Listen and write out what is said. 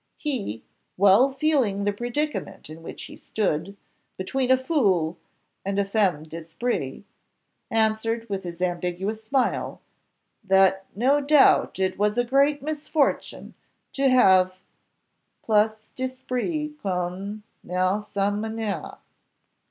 He, well feeling the predicament in which he stood, between a fool and a femme d'esprit, answered, with his ambiguous smile, "that no doubt it was a great misfortune to have 'plus d'esprit qu'on ne sait mêner.